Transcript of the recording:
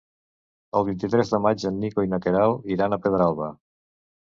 El vint-i-tres de maig en Nico i na Queralt iran a Pedralba.